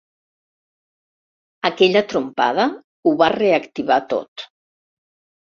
Aquella trompada ho va reactivar tot.